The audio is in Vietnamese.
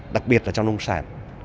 đặc biệt là trong nông sản